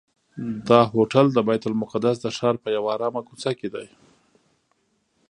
دا هوټل د بیت المقدس د ښار په یوه آرامه کوڅه کې دی.